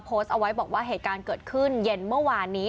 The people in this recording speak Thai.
โพสต์เอาไว้บอกว่าเหตุการณ์เกิดขึ้นเย็นเมื่อวานนี้